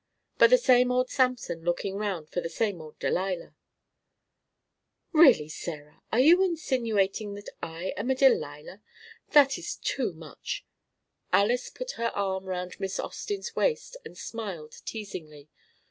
But the same old Samson looking round for the same old Delilah " "Really, Sarah, are you insinuating that I am a Delilah? That is too much!" Alys put her arm round Miss Austin's waist and smiled teasingly.